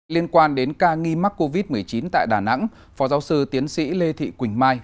liên quan đến ca nghi mắc covid một mươi chín tại đà nẵng phó giáo sư tiến sĩ lê thị quỳnh mai